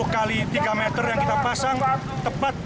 sepuluh kali tiga meter yang kita pasang tepat